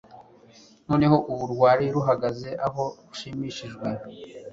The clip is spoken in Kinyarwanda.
noneho ubu rwari ruhagaze aho rushimishijwe